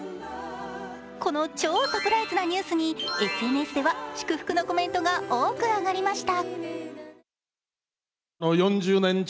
この超サプライズなニュースにＳＮＳでは祝福のコメントが多く上がりました。